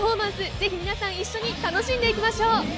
ぜひ皆さん一緒に楽しんでいきましょう。